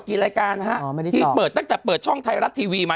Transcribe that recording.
กี่รายการนะฮะอ๋อไม่ได้ตอบที่เปิดตั้งแต่เปิดช่องไทยรัสทีวีมา